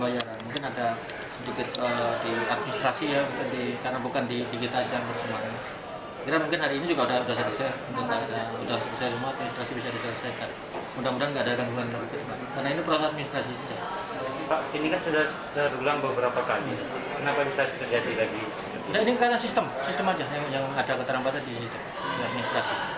ya sistem sistem aja yang ada keterlembatan di administrasi